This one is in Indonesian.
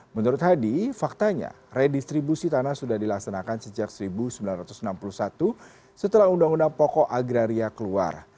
menurut hadi faktanya redistribusi tanah sudah dilaksanakan sejak seribu sembilan ratus enam puluh satu setelah undang undang pokok agraria keluar